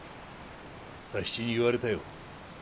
佐七に言われたよ。